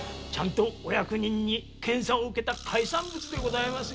お役人に検査を受けた海産物でございますよ。